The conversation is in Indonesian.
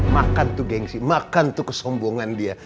makan tuh gengsi makan tuh kesombongan dia